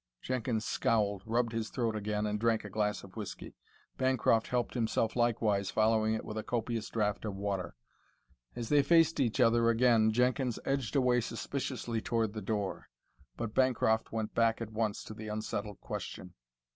Jenkins scowled, rubbed his throat again, and drank a glass of whiskey. Bancroft helped himself likewise, following it with a copious draught of water. As they faced each other again Jenkins edged away suspiciously toward the door; but Bancroft went back at once to the unsettled question.